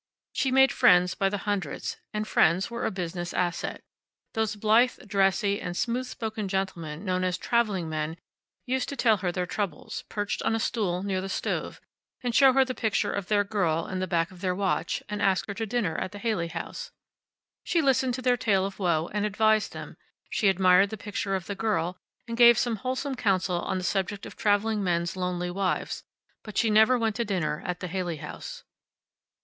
She made friends by the hundreds, and friends are a business asset. Those blithe, dressy, and smooth spoken gentlemen known as traveling men used to tell her their troubles, perched on a stool near the stove, and show her the picture of their girl in the back of their watch, and asked her to dinner at the Haley House. She listened to their tale of woe, and advised them; she admired the picture of the girl, and gave some wholesome counsel on the subject of traveling men's lonely wives; but she never went to dinner at the Haley House.